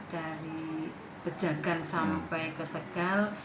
dari pejagan sampai ke tegal